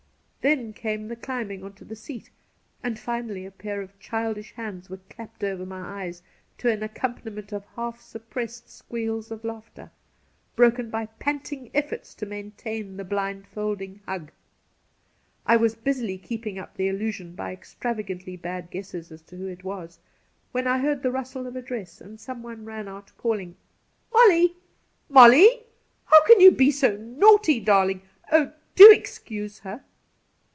Then came the climbing on to the seat, and finally a pair of chUdish hands were clapped over my eyes to an accompaniment of half suppressed squeals of laughter, broken by panting efforts to maintain the blind folding hug. I' was busily keeping up the illusion by extravagantly bad guesses as to who it was, when I heard the rustle of a dress, and someone ran out, calling :* MoUy, Molly ! how can you be so naughty, darling ? Oh, do excuse her